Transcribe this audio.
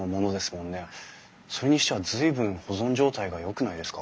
それにしては随分保存状態がよくないですか？